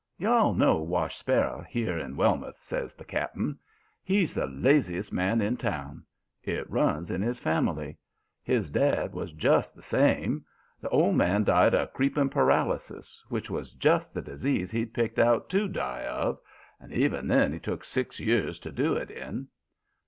"You all know Wash Sparrow, here in Wellmouth," says the Cap'n. "He's the laziest man in town. It runs in his family. His dad was just the same. The old man died of creeping paralysis, which was just the disease he'd pick out TO die of, and even then he took six years to do it in.